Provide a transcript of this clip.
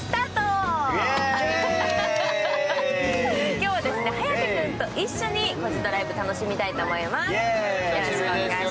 今日は颯君と一緒に「コジドライブ」楽しみたいと思います。